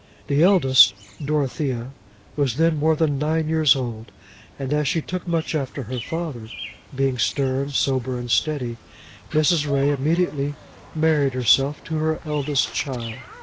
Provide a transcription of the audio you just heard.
The eldest, Dorothea, was then more than nine years old, and as she took much after her father, being stern, sober, and steady, Mrs. Ray immediately married herself to her eldest child.